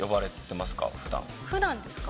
普段ですか？